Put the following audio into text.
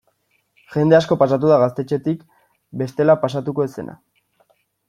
Jende asko pasatu da gaztetxetik bestela pasatuko ez zena.